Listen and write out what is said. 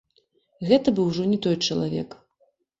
Гэта быў ужо не той чалавек.